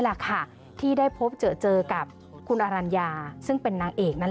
แหละค่ะที่ได้พบเจอกับคุณอรัญญาซึ่งเป็นนางเอกนั่นเอง